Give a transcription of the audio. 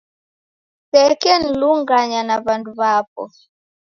Kusekenilunganya na w'andu w'apo